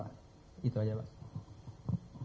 itu dijualnya ke perusahaan atau ke perorangan pak